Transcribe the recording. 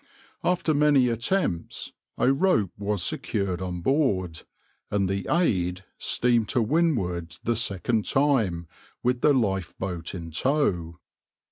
After many attempts a rope was secured on board, and the {\itshape{Aid}} steamed to windward the second time with the lifeboat in tow.